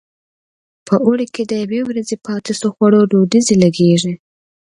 په اوړي کې د یوې ورځې پاتې شو خوړو ډډوزې لګېږي.